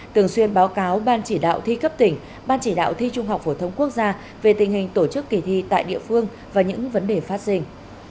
thường xuyên báo cáo ban chỉ đạo thi cấp tỉnh ban chỉ đạo thi trung học phổ thông quốc gia về tình hình tổ chức kỳ thi tại địa phương và những vấn đề phát sinh